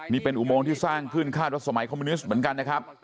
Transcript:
นี่เป็นอุโมงที่สร้างขึ้นคาดว่าสมัยคอมมิวนิสต์เหมือนกันนะครับ